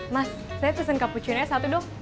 mas saya pesen cappuccino nya satu dong